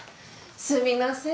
すみません。